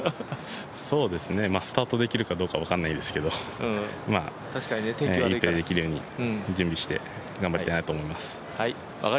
スタートできるかどうか分からないですけどいいプレーできるように準備して、頑張りたいなと思います。